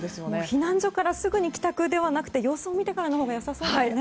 避難所からすぐ帰宅ではなくて様子を見てからのほうがよさそうですね。